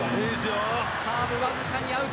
サーブ、わずかにアウト。